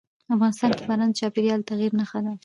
افغانستان کې باران د چاپېریال د تغیر نښه ده.